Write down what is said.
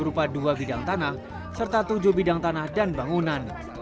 berupa dua bidang tanah serta tujuh bidang tanah dan bangunan